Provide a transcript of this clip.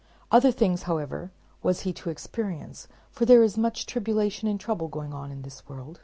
Other things however, was he to experience, for there is much tribulation and trouble going on in this world.